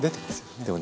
でもね